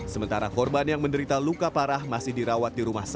sementara korban yang menderita luka parah masih dirawat di rumah sakit